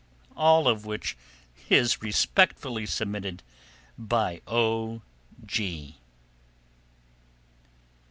All of which is respectfully submitted by O.G.